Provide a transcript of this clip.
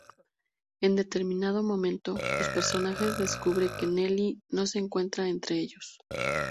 En determinado momento, los personajes descubre que Nelly no se encuentra entre ellos.